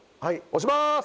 押しますよ